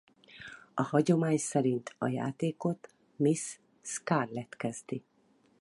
A hagyomány szerint a játékot Miss Scarlett kezdi.